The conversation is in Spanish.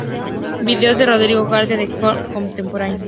Videos de Rodrigo García en Theatre Contemporain.